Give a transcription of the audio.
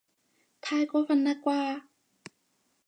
太過分喇啩